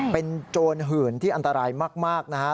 เป็นโจรหื่นที่อันตรายมากนะฮะ